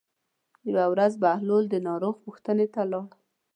یوه ورځ بهلول د ناروغ پوښتنې ته لاړ.